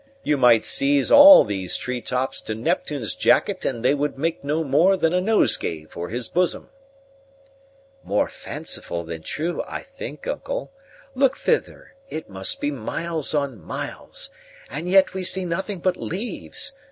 You might seize all these tree tops to Neptune's jacket, and they would make no more than a nosegay for his bosom." "More fanciful than true, I think, uncle. Look thither; it must be miles on miles, and yet we see nothing but leaves!